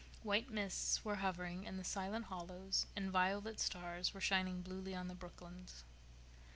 White mists were hovering in the silent hollows and violet stars were shining bluely on the brooklands.